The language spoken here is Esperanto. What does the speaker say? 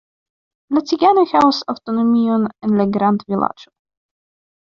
La ciganoj havas aŭtonomion en la grandvilaĝo.